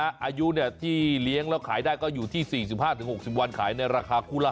อายุที่เลี้ยงแล้วขายได้ก็อยู่ที่๔๕๖๐วันขายในราคาคู่ละ